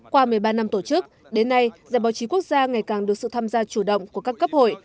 qua một mươi ba năm tổ chức đến nay giải báo chí quốc gia ngày càng được sự tham gia chủ động của các cấp hội